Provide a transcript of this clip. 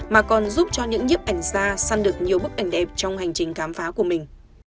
mà còn giúp cho những nhiếp ảnh gia săn được nhiều bức ảnh đẹp trong hành trình cám phá của mình